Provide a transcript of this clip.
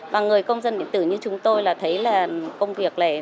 và người công dân điện tử như chúng tôi là thấy là công việc này